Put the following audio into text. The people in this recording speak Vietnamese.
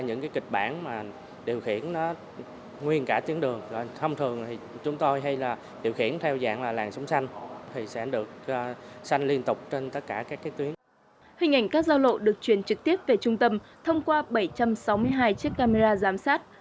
hình ảnh các giao lộ được truyền trực tiếp về trung tâm thông qua bảy trăm sáu mươi hai chiếc camera giám sát